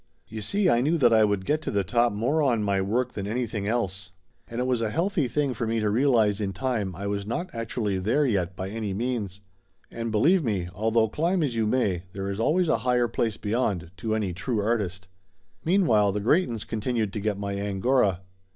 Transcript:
You see, I knew that I would get to the top more on my work than anything else, and it was a healthy thing for me to realize in time I was not actually there yet by any means. And believe me, although climb as you may, there is always a higher place beyond, to any true artist. Meanwhile the Greytons continued to get my angora.